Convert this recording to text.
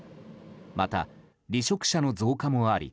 また、離職者の増加もあり